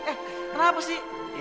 eh kenapa sih